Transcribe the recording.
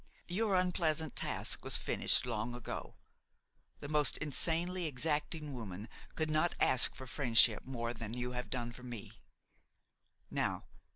Your unpleasant task was finished long ago. The most insanely exacting woman could not ask of friendship more than you have done for me.